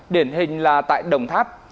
điển hình là tại đồng tháp